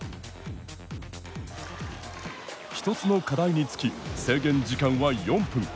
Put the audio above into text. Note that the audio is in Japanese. １つの課題につき制限時間は４分。